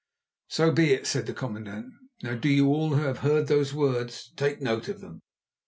"So be it," said the commandant. "Now, do all you who have heard those words take note of them."